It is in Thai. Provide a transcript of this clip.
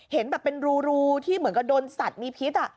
เห็นแบบเป็นรูที่เหมือนกับโดนสัตว์มีพิษ